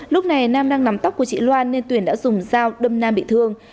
lúc này nam đang nắm tóc của chị loan nên tuyền đã dùng dao đâm nam bị thương